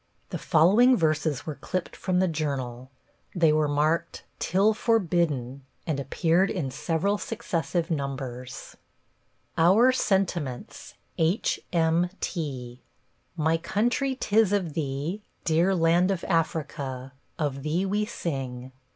The following verses were clipped from the journal; they were marked "till forbidden," and appeared in several successive numbers: OUR SENTIMENTS H.M.T. My country, 'tis of thee, Dear land of Africa, Of thee we sing.